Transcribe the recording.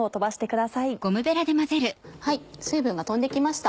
水分がとんで来ました。